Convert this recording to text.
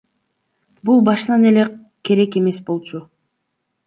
Бул башынан эле керек эмес болчу.